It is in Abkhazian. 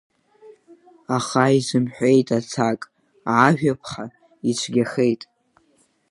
Аха изымҳәеит аҭак, ажәаԥха, ицәгьахеит…